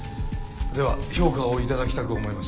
では評価を頂きたく思います。